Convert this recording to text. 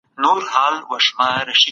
د واده په انتخاب کي زيات دقيق واوسئ